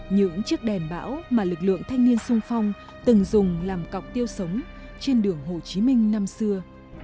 những chiếc đèn bão mà lực lượng thanh niên sung phong từng dùng làm cọc tiêu sống trên đường hồ chí minh năm xưa